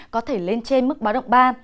có thể lên trên mức bá động ba